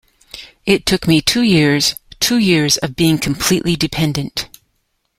It took me two years; two years of being completely dependent.